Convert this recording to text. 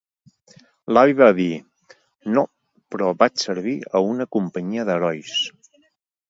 L'avi va dir: "No... però vaig servir a una companyia d'herois".